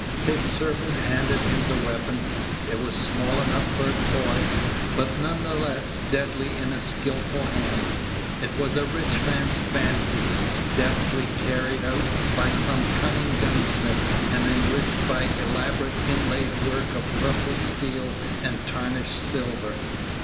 His servant handed him the weapon. It was small enough for a toy, but none the less deadly in a skilful hand. It was a rich man's fancy, deftly carried out by some cunning gunsmith, and enriched by elaborate inlaid work of purple steel and tarnished silver.